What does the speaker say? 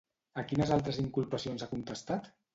A quines altres inculpacions ha contestat?